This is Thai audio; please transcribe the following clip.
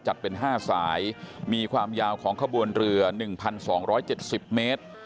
จัดเป็นห้าสายมีความยาวของขบวนเรือหนึ่งพันสองร้อยเจ็ดสิบเมตร